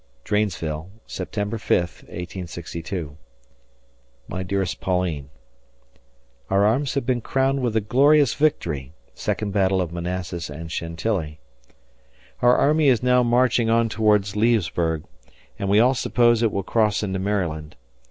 Dranesville, September 5, '62. My dearest Pauline: Our arms have been crowned with a glorious victory [Second Battle of Manassas and Chantilly]. Our army is now marching on toward Leesburg, and we all suppose it will cross into Maryland.